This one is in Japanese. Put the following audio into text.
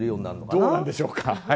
どうなんでしょうか。